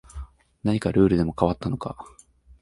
何かルールでも変わったのか